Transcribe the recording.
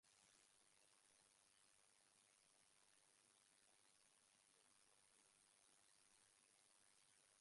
It has been unsuccessfully proposed as an addition to the official lyrics several times.